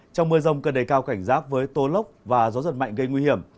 trong mưa rông cần đầy cao cảnh rác với tố lốc và gió giật mạnh gây nguy hiểm